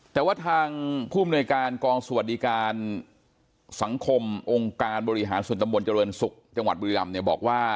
แต่ว่าทางผู้มนวยการกองสวัสดิการสังคมองค์การบริหารส่วนตำบลเจริญศุกร์จังหวัดบุรีรำเนี่ยบอกว่า